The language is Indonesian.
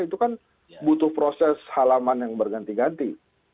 itu kan butuh proses halaman yang berganti ganti